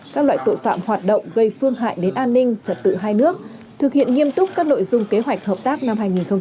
các loại tội phạm hoạt động gây phương hại đến an ninh trật tự hai nước thực hiện nghiêm túc các nội dung kế hoạch hợp tác năm hai nghìn hai mươi bốn